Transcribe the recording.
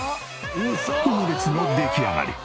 オムレツの出来上がり。